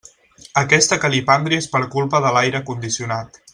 Aquesta calipàndria és per culpa de l'aire condicionat.